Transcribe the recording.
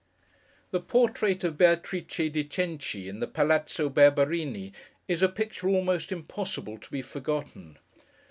The portrait of Beatrice di Cenci, in the Palazzo Berberini, is a picture almost impossible to be forgotten.